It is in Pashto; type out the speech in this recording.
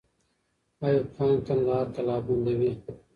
ایوب خان کندهار قلابندوي.